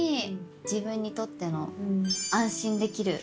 自分にとっての安心できる。